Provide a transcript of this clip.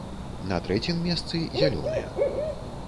На трэцім месцы зялёныя.